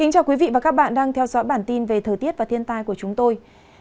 cảm ơn các bạn đã theo dõi và ủng hộ cho bản tin thời tiết và thiên tai của chúng tôi